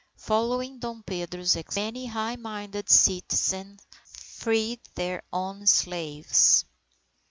Following Dom Pedro's example, many high minded citizens freed their own slaves.